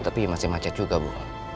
tapi masih macet juga bu